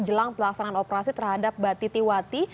jelang pelaksanaan operasi terhadap mbak titi wati